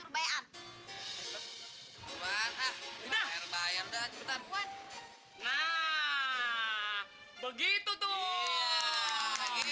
nah begitu gitu tuh